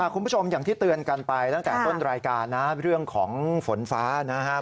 คุณผู้ชมอย่างที่เตือนกันไปตั้งแต่ต้นรายการนะเรื่องของฝนฟ้านะครับ